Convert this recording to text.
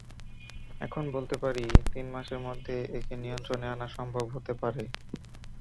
এখন বলতে পারি, তিন মাসের মধ্যে একে নিয়ন্ত্রণে আনা সম্ভব হতে পারে।